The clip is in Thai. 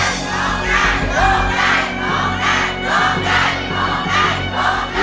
โลกใจโลกใจโลกใจโลกใจ